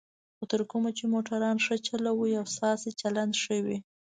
خو تر کومه چې موټران ښه چلوئ او ستاسو چلند ښه وي.